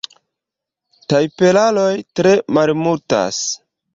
Tajperaroj tre malmultas.